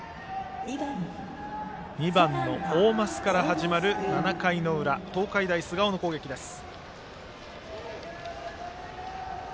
２番の大舛から始まる７回の裏東海大菅生の攻撃です。